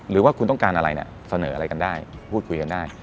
หรือว่าคุณต้องการอะไรเนี่ยเสนออะไรกันได้พูดคุยกันได้